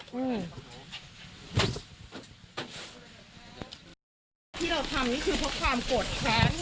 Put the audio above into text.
ที่เราทำนี้คือเพราะความกดแท้